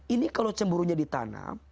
ini kalau cemburunya di tanam